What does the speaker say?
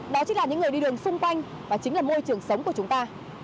đó chính là những người đi đường xung quanh và chính là môi trường sống của chúng ta